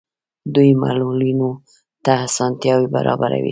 دوی معلولینو ته اسانتیاوې برابروي.